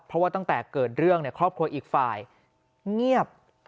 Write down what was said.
เพราะว่าตั้งแต่เกิดเรื่องครอบครัวอีกฝ่ายเงียบ